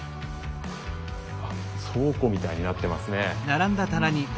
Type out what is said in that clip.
倉庫みたいになってますね。